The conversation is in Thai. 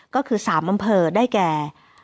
ก็คือ๓อำเภอได้แก่